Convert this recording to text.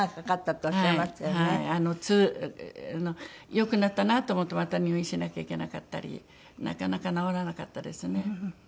良くなったなと思ってもまた入院しなきゃいけなかったりなかなか治らなかったですね。